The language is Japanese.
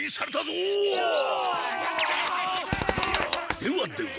ではでは！